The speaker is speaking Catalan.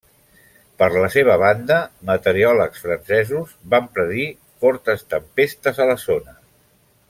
Per la seva banda, meteoròlegs francesos van predir fortes tempestes a la zona.